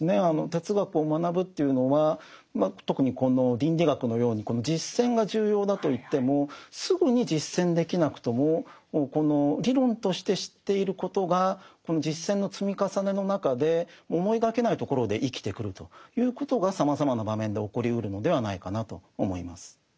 哲学を学ぶというのは特にこの倫理学のように実践が重要だといってもすぐに実践できなくともこの理論として知っていることがこの実践の積み重ねの中で思いがけないところで生きてくるということがさまざまな場面で起こりうるのではないかなと思います。